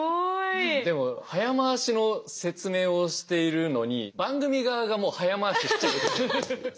でも早回しの説明をしているのに番組側がもう早回ししちゃってる。